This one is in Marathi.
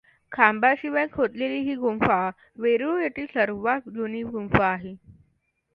खांबाशिवाय खोदलेली ही गुंफा वेरूळ येथील सर्वात जुनी गुंफा आहे.